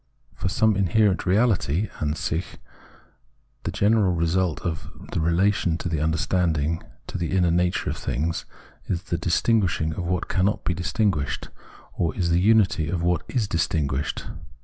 For the inherent reahty (Atisich), the general result of the relation of the understanding to the inner nature of things, is the distinguishing of what cannot be distinguished, or is the unity of what is distinguished.